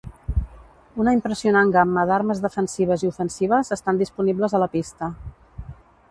Una impressionant gamma d’armes defensives i ofensives estan disponibles a la pista.